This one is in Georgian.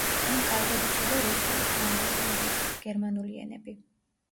მან კარგად იცოდა რუსული, ფრანგული, ინგლისური, გერმანული ენები.